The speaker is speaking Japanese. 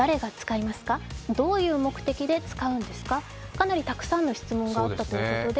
かなりたくさんの質問があったということで。